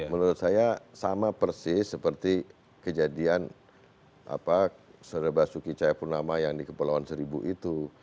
ya itu menurut saya sama persis seperti kejadian sodeba sukicaya purnama yang di kepulauan seribu itu